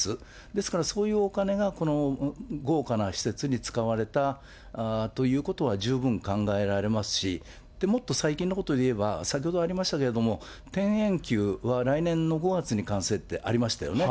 ですからそういうお金が、豪華な施設に使われたということは十分考えられますし、もっと最近のことをいえば、先ほどありましたけれども、天苑宮は来年の５月に完成ってありましたよね。